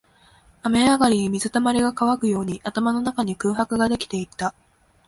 雨上がりに水溜りが乾くように、頭の中に空白ができていった